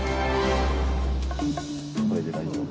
これで大丈夫？